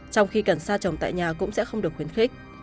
trong khi cần sa trồng tại nhà cũng sẽ không được khuyến khích